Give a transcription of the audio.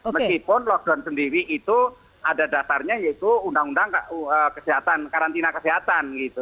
meskipun lockdown sendiri itu ada dasarnya yaitu undang undang kesehatan karantina kesehatan gitu